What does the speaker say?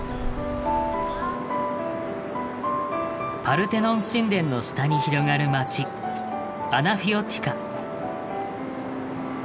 パルテノン神殿の下に広がる街アナフィオティカ。